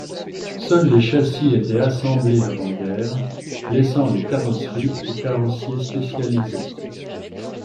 Seuls des châssis étaient assemblés avant guerre, laissant les carrosseries aux carrossiers spécialisés.